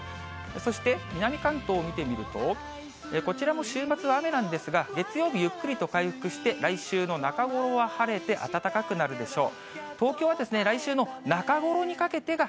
そして、南関東を見てみると、こちらも週末は雨なんですが、月曜日ゆっくりと回復して、来週の中頃は晴れて、暖かくなるでしょう。